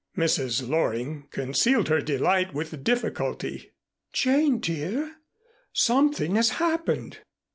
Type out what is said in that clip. Mrs. Loring concealed her delight with difficulty. "Jane, dear, something has happened."